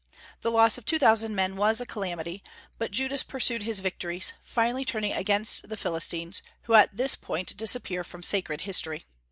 The loss of two thousand men was a calamity, but Judas pursued his victories, finally turning against the Philistines, who at this point disappear from sacred history.